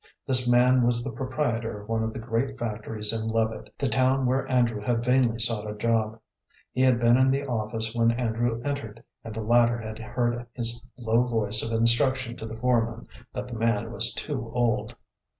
This man was the proprietor of one of the great factories in Leavitt, the town where Andrew had vainly sought a job. He had been in the office when Andrew entered, and the latter had heard his low voice of instruction to the foreman that the man was too old.